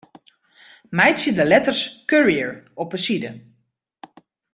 Meitsje de letters Courier op 'e side.